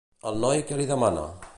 El noi, què li demana?